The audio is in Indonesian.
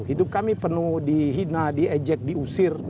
hidup kami penuh dihina diejek diusir